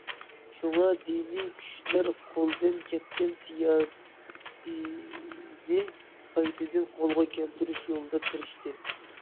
شۇڭا، دىنى كۈچلەر قولدىن كەتكەن سىياسىينى قايتىدىن قولغا كەلتۈرۈش يولىدا تىرىشتى.